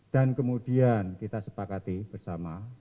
dan kemudian kita sepakati bersama